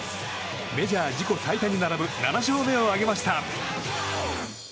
メジャー自己最多に並ぶ７勝目を挙げました。